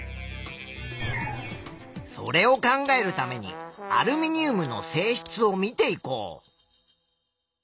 それを考えるためにアルミニウムの性質を見ていこう。